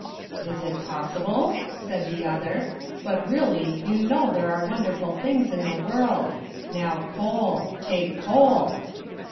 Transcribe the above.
"Is it possible?" said the other. "But really, you know there are wonderful things in the world. Now, coal ... take coal...."